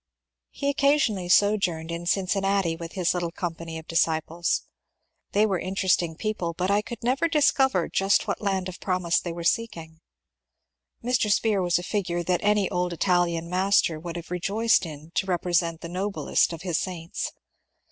He occa sionally sojourned in Cincinnati with his little company of disciples. They were interesting people, but I could never discover just what land of promise they were seeking. Mr. Spear was a figure that any old Italian master would have re joiced in to represent the noblest of his saints.